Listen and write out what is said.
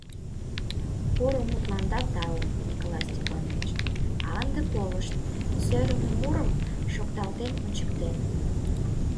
— Поро мутланда тау, Николай Степанович— А ынде колышт, сӧрымӧ мурым шокталтен ончыктем.